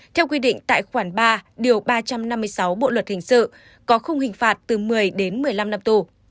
theo quy định tại khoản ba điều ba trăm năm mươi sáu bộ luật hình sự có khung hình phạt từ một mươi đến một mươi năm năm tù